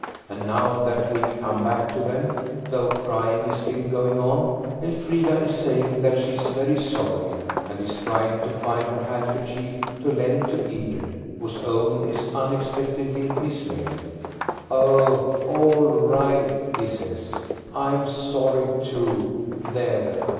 And now that we come back to them, though crying is still going on, Elfrida is saying that she is very sorry, and is trying to find her handkerchief to lend to Edred, whose own is unexpectedly mislaid. "Oh, all right," he says, "I'm sorry too. There!